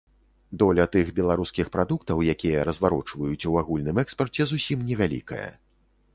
Доля тых беларускіх прадуктаў, якія разварочваюць, у агульным экспарце зусім невялікая.